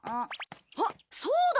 あっそうだ！